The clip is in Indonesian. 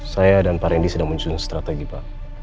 saya dan pak randy sedang menyusun strategi pak